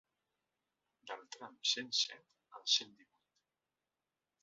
Del tram cent set al cent divuit.